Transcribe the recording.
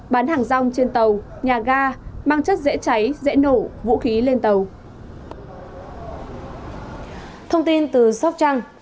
bán hàng rong trên tàu nhà ga mang chất dễ cháy dễ nổ vũ khí lên tàu